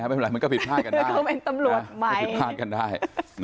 ไม่เป็นไรก็ผิดภาพกันได้